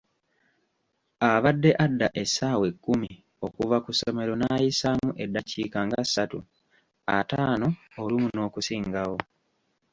Abadde adda essaawa ekkumi okuva ku ssomero nayisaamu eddakiika ng'asatu, ataano olumu n'okusingawo.